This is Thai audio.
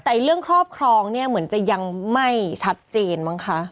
แต่เรื่องครอบครองเนี่ยเหมือนจะยังไม่ชัดเจนมั้งคะ